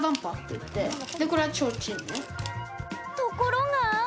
ところが。